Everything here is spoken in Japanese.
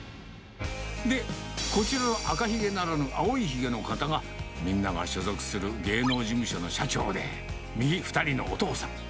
で、こちらの赤ひげならぬ、青いひげの方が、みんなが所属する芸能事務所の社長で、右２人のお父さん。